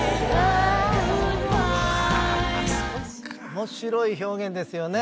面白い表現ですよね。